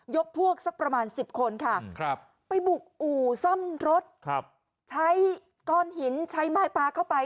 ยกพวกสักประมาณสิบคนค่ะไปบกหูซ่อมรสครับใช้กร้อนหินใช้ไม้ปลาเข้าไป